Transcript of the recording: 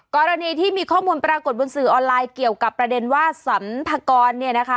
กรณีที่มีข้อมูลปรากฏบนสื่อออนไลน์เกี่ยวกับประเด็นว่าสรรพากรเนี่ยนะคะ